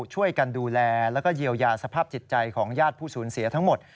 ช่วยกันดูแลแล้วก็เยียวยาสภาพจิตใจของญาติผู้สูญเสียทั้งหมด